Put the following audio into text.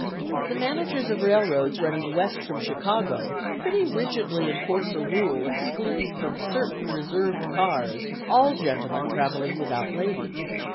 The managers of railroads running west from Chicago pretty rigidly enforce a rule excluding from certain reserved cars all gentlemen travelling without ladies.